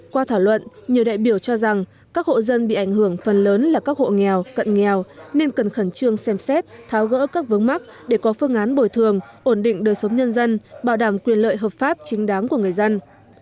qua thảo luận nhiều đại biểu cho rằng các hộ dân bị ảnh hưởng phần lớn là các hộ nghèo cận nghèo nên cần khẩn trương xem xét tháo gỡ các vướng mắc để có phương án bồi thường ổn định đời sống nhân dân bảo đảm quyền lợi hợp pháp chính đáng của người dân